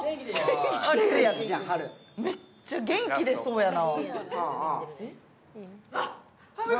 めっちゃ元気でそうやな。